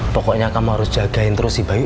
pokoknya kamu harus jagain terus si bayi